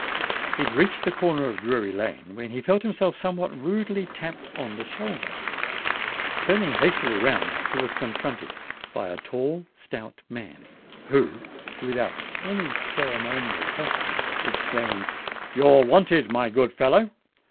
He had reached the corner of Drury Lane, when he felt himself somewhat rudely tapped on the shoulder. Turning hastily round, he was confronted by a tall stout man, who, without any ceremonial preface, exclaimed, "You're wanted, my good fellow."